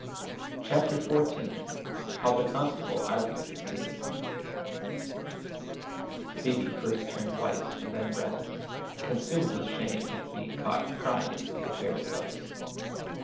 CHAPTER XIV HOW THE CONSTABLE ARGUED HIS CASE Phoebe turned first white and then red, consumed with shame at being caught prying into the affairs of others.